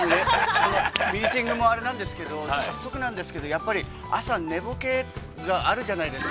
◆ミーティングもあれなんですけれども、早速なんですけれども、朝、寝ぼけがあるじゃないですか。